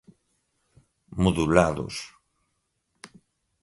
modulados